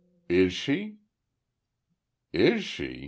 "Is she?" "Is she?